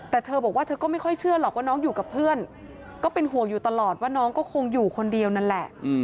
แต่เธอบอกว่าเธอก็ไม่ค่อยเชื่อหรอกว่าน้องอยู่กับเพื่อนก็เป็นห่วงอยู่ตลอดว่าน้องก็คงอยู่คนเดียวนั่นแหละ